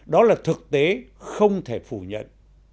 đó là thực tế không thể phủ nhận